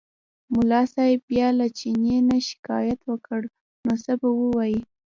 ملا صاحب بیا له چیني نه شکایت وکړ نو څه به ووایي.